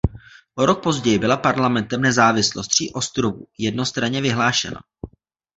O rok později byla parlamentem nezávislost tří ostrovů jednostranně vyhlášena.